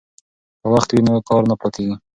که وخت وي نو کار نه پاتیږي.